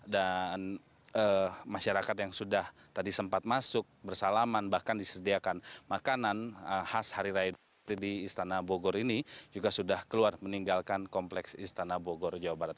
dan masyarakat yang sudah tadi sempat masuk bersalaman bahkan disediakan makanan khas hari raya ini istana bogor ini juga sudah keluar meninggalkan kompleks istana bogor jawa barat